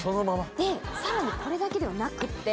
でさらにこれだけではなくって。